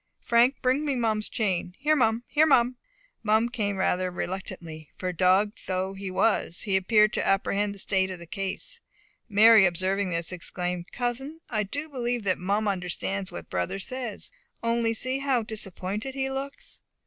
Frank, bring me Mum's chain. Here, Mum! Here, Mum!" Mum came rather reluctantly; for dog though he was, he appeared to apprehend the state of the case. Mary observing this, exclaimed, "Cousin, I do believe that Mum understands what brother says. Only see how disappointed he looks!"